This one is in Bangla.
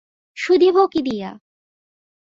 শুধিব কি দিয়া?